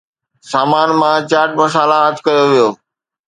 سامان مان چاٽ مسالا هٿ ڪيو ويو